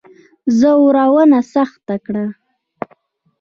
زړونه سخت کړي.